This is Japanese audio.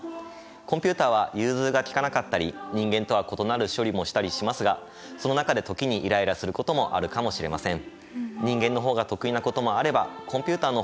コンピュータは融通が利かなかったり人間とは異なる処理もしたりしますがその中で時にイライラすることもあるかもしれません。